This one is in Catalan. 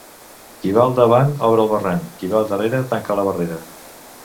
Qui va al davant obre el barranc, qui va darrera tanca la barrera.